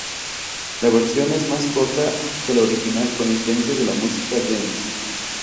La versión es más corta que la original con influencias de la música "dance".